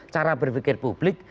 cara berpikir publik